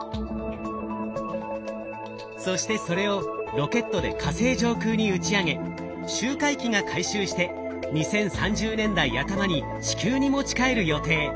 そしてそれをロケットで火星上空に打ち上げ周回機が回収して２０３０年代頭に地球に持ち帰る予定。